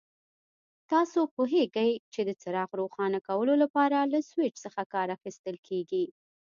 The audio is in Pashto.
تاسو پوهیږئ چې د څراغ روښانه کولو لپاره له سوېچ څخه کار اخیستل کېږي.